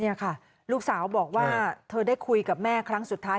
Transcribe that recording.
นี่ค่ะลูกสาวบอกว่าเธอได้คุยกับแม่ครั้งสุดท้าย